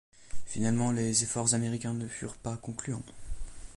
Finalement les efforts américains ne furent pas concluants.